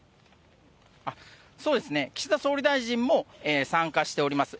そうですね、岸田総理大臣も参加しております。